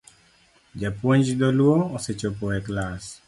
Japuonj dholuo osechopo e klas